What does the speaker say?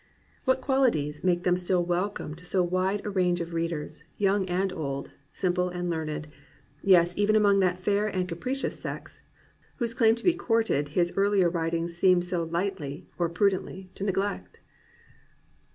'* What qualities make them still wel come to so wide a range of readers, young and old, simple and learned, — ^yes, even among that fair and capricious sex whose claim to be courted his earlier wTitings seem so Hghtly (or prudently) to neglect